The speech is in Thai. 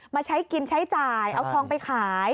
มาใช้กินใช้จ่ายเอาทองไปขาย